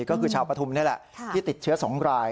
ก็คือชาวปฐุมนี่แหละที่ติดเชื้อ๒ราย